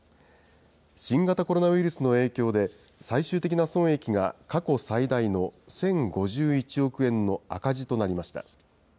新型コロナウイルスの影響で最終的な損益が、過去最大の１０５１億円の赤字となりました。